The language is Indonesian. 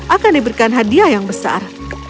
akan diberikan hadiah yang besar